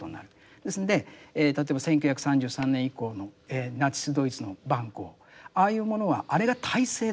ですんで例えば１９３３年以降のナチス・ドイツの蛮行ああいうものはあれが体制だったわけですよね。